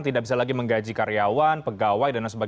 tidak bisa lagi menggaji karyawan pegawai dsb